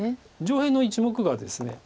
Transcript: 上辺の１目がですね